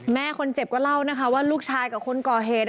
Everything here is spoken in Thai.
แม่คนเจ็บก็เล่านะคะว่าลูกชายกับคนก่อเหตุ